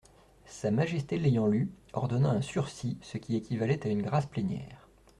Sa Majesté l'ayant lue, ordonna un sursis, ce qui équivalait à une grâce plénière.